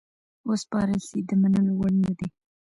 وسپارل سي د منلو وړ نه دي.